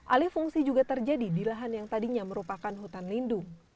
alih fungsi juga terjadi di lahan yang tadinya merupakan hutan lindung